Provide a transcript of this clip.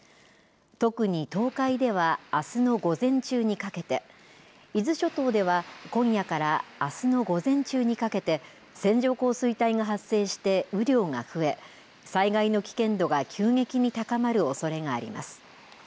特に東海では、あすの午前中にかけて、伊豆諸島では今夜からあすの午前中にかけて、線状降水帯が発生して雨量が増え、災害の危険度が急激に高まるおそれがあります。